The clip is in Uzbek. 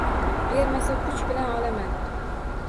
Bermasa, kuch bilan olaman…